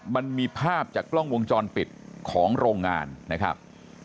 มันมีภาพจากกล้องวงจรปิดของโรงงานนะครับ